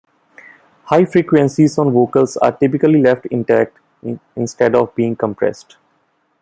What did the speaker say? High frequencies on vocals are typically left intact instead of being compressed.